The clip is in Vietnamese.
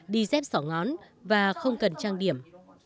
đi dép sỏ ngón và không cần trang điểm